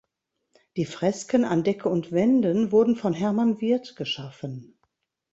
Die Fresken an Decke und Wänden wurden von Hermann Wirth geschaffen.